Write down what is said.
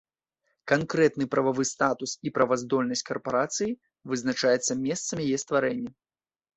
Канкрэтны прававы статус і праваздольнасць карпарацыі вызначаецца месцам яе стварэння.